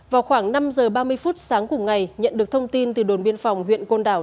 vào khoảng năm giờ ba mươi phút sáng cùng ngày nhận được thông tin từ đồn biên phòng huyện côn đảo